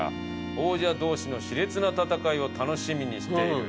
王者同士の熾烈な戦いを楽しみにしている。